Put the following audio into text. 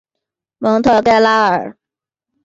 蒙特盖拉尔。